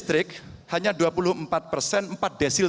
jadi saya mau bicara tentang hal hal yang terjadi di negara ini